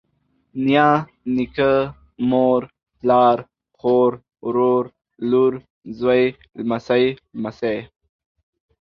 نيا، نيکه، مور، پلار، خور، ورور، لور، زوى، لمسۍ، لمسى